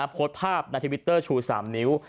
โพสต์ภาพในทวิตเตอร์ชู๓นิ้ว